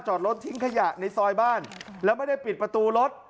จอดรถทิ้งขยะในซอยบ้านแล้วไม่ได้ปิดประตูรถ